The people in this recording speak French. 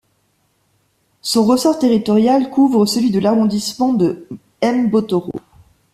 Son ressort territorial couvre celui de l'arrondissement de Mbotoro.